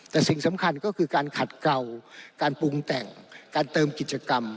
แต่สิ่งสำคัญก็คือการขัดเกาการปรุงแต่งการเติมกิจกรรม